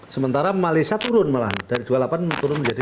sementara malaysia turun malah dari dua puluh delapan turun menjadi dua puluh tujuh